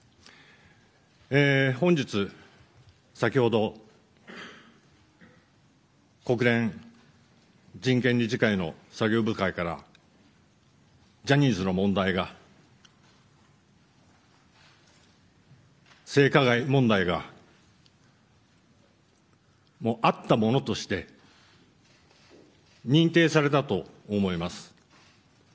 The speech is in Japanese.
本日、先ほど国連人権理事会の作業部会からジャニーズの問題が性加害問題が、あったものとして認定されたと思います。